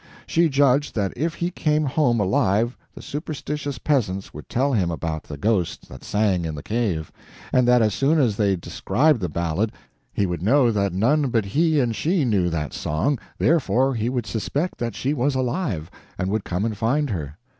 She judged that if he came home alive the superstitious peasants would tell him about the ghost that sang in the cave, and that as soon as they described the ballad he would know that none but he and she knew that song, therefore he would suspect that she was alive, and would come and find her.